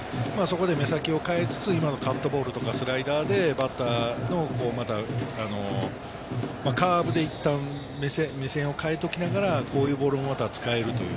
そうですね、目先を変えつつ、今のカットボールとかスライダーでカーブでいったん目線を変えておきながら、こういうボールをまた使える。